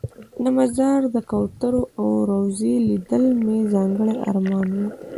د مزار د کوترو او روضې لیدل مې ځانګړی ارمان و.